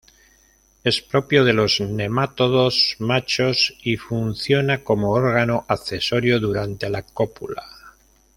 Es propio de los nematodos machos y funciona como órgano accesorio durante la cópula.